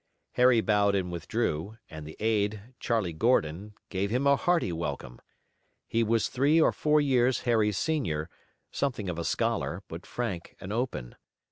Harry bowed and withdrew, and the aide, Charlie Gordon, gave him a hearty welcome. He was three or four years Harry's senior, something of a scholar, but frank and open.